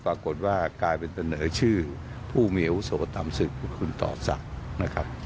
ตรากฏว่ากลายเป็นเสนอชื่อผู้เหมียวโสดตามศึกคุณตอบสัตว์นะครับ